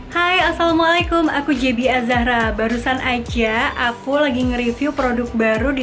hai assalamualaikum aku jb azahra barusan aja aku lagi nge review produk baru di